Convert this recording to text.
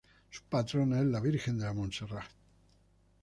Su patrona es la Virgen de la Monserrate.